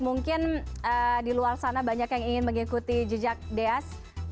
mungkin di luar sana banyak yang ingin mengikuti jejak deas